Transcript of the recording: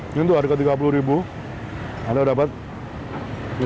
ini tuh harga tiga puluh ribu anda dapat ini apa